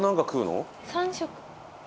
３食。